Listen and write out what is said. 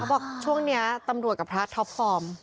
เขาบอกว่าช่วงนี้ตำรวจกับพระท็อปพร่อม